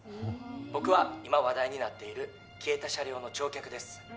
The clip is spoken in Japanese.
僕は今話題になっている消えた車両の乗客です